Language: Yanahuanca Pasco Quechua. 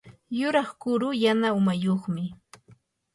yuraq kuru yana umayuqmi.